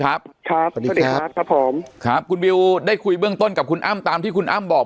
ครับครับคุณบิวได้คุยเบื้องต้นกับคุณอั้มตามที่คุณอั้มบอก